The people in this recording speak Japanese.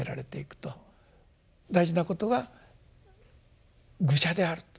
大事なことは愚者であると。